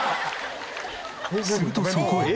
するとそこへ。